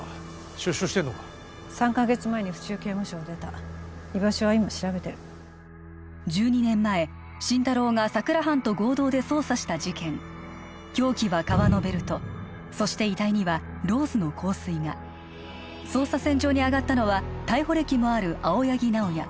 出所してんのか３カ月前に府中刑務所を出た居場所は今調べてる１２年前心太朗が佐久良班と合同で捜査した事件凶器は革のベルトそして遺体にはローズの香水が捜査線上に上がったのは逮捕歴もある青柳直哉